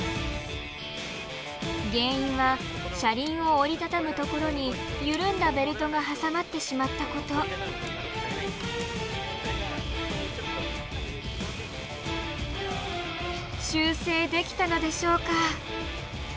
原因は車輪を折り畳むところに緩んだベルトが挟まってしまったこと。修正できたのでしょうか？